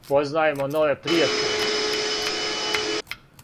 Упознајемо нове пријатеље.